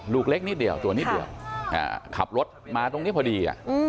ลูกเล็กนิดเดียวตัวนิดเดียวขับรถมาตรงนี้พอดี